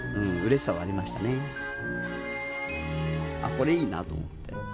これいいなと思って。